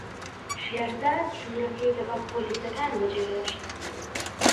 شێرزاد ژوورەکەی لەگەڵ پۆلیسەکان بەجێهێشت.